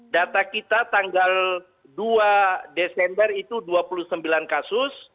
data kita tanggal dua desember itu dua puluh sembilan kasus